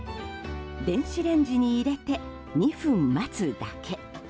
電子レンジに入れて２分待つだけ。